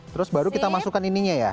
terus baru kita masukkan ininya ya